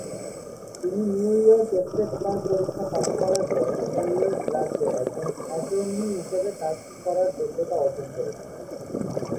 তিনি New York State Bar পরীক্ষা pass করার পর নিউ ইয়র্ক রাজ্যে একজন অ্যাটর্নি হিসাবে কাজ করার যোগ্যতা অর্জন করেছিলেন।